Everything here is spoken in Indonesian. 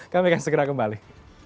kami akan segera kembali